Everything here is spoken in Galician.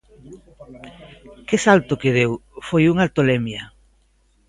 Que salto que deu, foi unha tolemia.